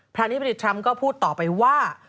พระอธิบดิตทรัมป์ก็พูดต่อไปว่า